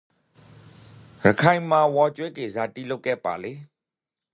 ရခိုင်မှာဝါကျွတ်ကေဇာတိလုပ်ကတ်ပါလေ